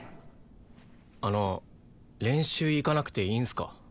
あの練習行かなくていいんすか？